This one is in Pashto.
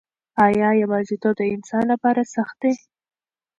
آیا یوازیتوب د انسان لپاره سخت دی؟